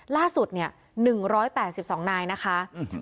ล่าสุดเนี่ยหนึ่งร้อยแปดสิบสองนายนะคะอืม